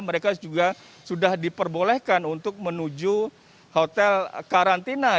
mereka juga sudah diperbolehkan untuk menuju hotel karantina